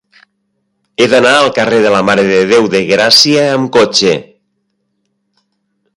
He d'anar al carrer de la Mare de Déu de Gràcia amb cotxe.